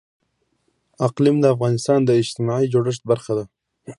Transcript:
اقلیم د افغانستان د اجتماعي جوړښت برخه ده.